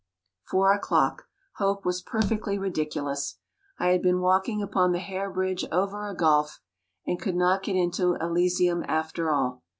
Four o'clock. Hope was perfectly ridiculous. I had been walking upon the hair bridge over a gulf, and could not get into Elysium after all.